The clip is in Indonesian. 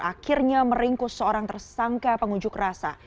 akhirnya meringkus seorang tersangka pengunjuk rasa